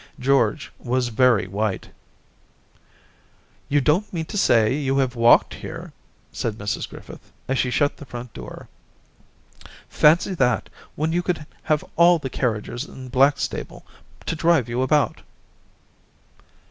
George was very white. 272 Orientations * You don't mean to say you walked here !' said Mrs Grififith, as she shut the front door. * Fancy that, when you could have all the carriages in Blackstable to drive you about